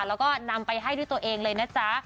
แล้วก็นำไปให้ด้วยตัวเองเลยนะจ๊ะ